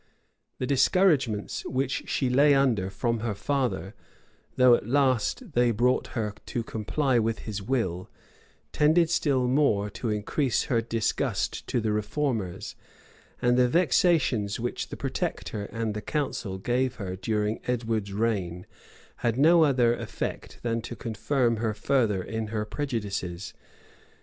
The discouragements which she lay under from her father, though at last they brought her to comply with his will, tended still more to increase her disgust to the reformers; and the vexations which the protector and the council gave her during Edward's reign, had no other effect than to confirm her further in her prejudices.